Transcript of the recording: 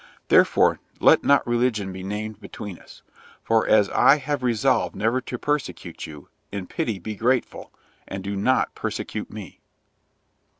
Therefore, let not religion be named between us; for as I have resolved never to persecute you, in pity be grateful, and do not persecute me."